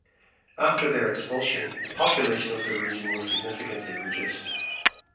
After their expulsion the population of the region was significantly reduced.